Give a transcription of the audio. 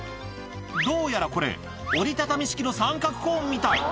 どうやらこれ、折り畳み式の三角コーンみたい。